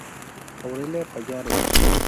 Aurelia Pallares.